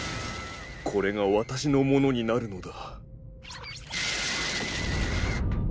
これがわたしのものになるのだ。